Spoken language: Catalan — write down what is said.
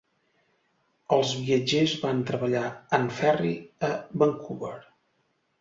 Els viatgers van a treballar en ferri a Vancouver.